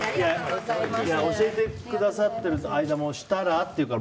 教えてくださってる間も「したら」って言うから。